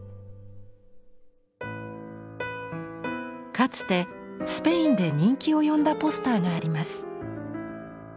かつてスペインで人気を呼んだポスターがあります。